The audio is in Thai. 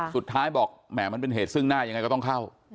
สุดท้ายบอกแหมมันเป็นเหตุซึ่งหน้ายังไงก็ต้องเข้า